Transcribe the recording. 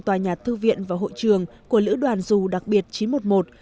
tòa nhà thư viện và hội trường của lữ đoàn dù đặc biệt chín trăm một mươi một